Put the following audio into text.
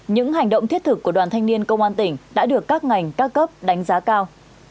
những hành động thiết thực của đoàn thanh niên công an tỉnh đã được các ngành các cấp đánh giá cao